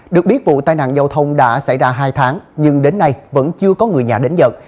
được biết vụ tai nạn giao thông đã xảy ra hai tháng nhưng đến nay vẫn chưa có người nhà đến giật